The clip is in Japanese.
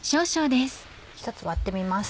１つ割ってみます。